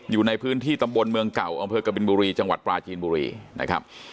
อยู่ในพื้นที่ตำบลเมืองเก่าอำเภอกบินบุรีจังหวัดปราจีนบุรีนะครับ